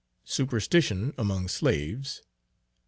Superstition among slaves.